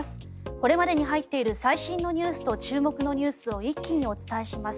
これまでに入っている最新ニュースと注目ニュースを一気にお伝えします。